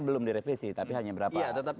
belum direvisi tapi hanya berapa tetapi